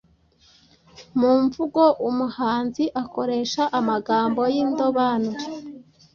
Mu muvugo umuhanzi akoresha amagambo y’indobanure